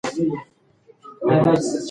ځوانان کولای سي تاريخي پېښې وڅېړي.